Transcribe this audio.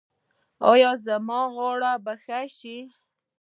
ایا زما غاړه به ښه شي؟